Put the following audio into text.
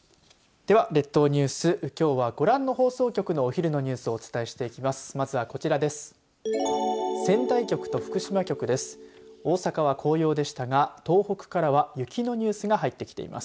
では、列島ニュースきょうは、ご覧の放送局のお昼のニュースをお伝えしていきます。